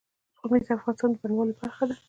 پامیر د افغانستان د بڼوالۍ برخه ده.